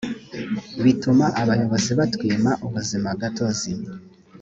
bituma abayobozi batwima ubuzima gatozi